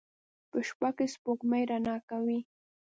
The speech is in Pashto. په شپه کې سپوږمۍ رڼا کوي